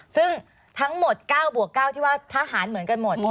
ซึ่งทั้งหมด๙บวก๙ที่ว่าทหารเหมือนกันหมด